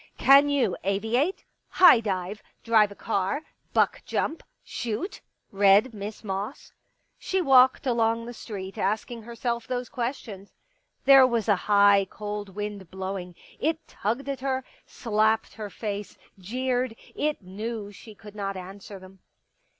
" Can you aviate — high dive — drive a car — buck jump — shoot ?" read Miss Moss. She walked along the street asking herself those questions. There was a high, cold wind blowing ; it tugged at her, slapped her face, jeered ; it knew she could not answer them.